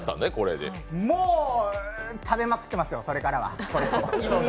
もう食べまくってますよ、それからは、これを。